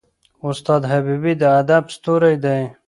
استاد حبیبي د ادب ستوری دی.